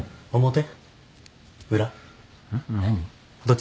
表。